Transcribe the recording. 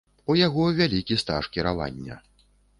У яго вялікі стаж кіравання.